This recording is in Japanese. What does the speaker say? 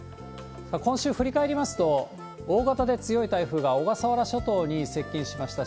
今週振り返りますと、大型で強い台風が小笠原諸島に接近しました。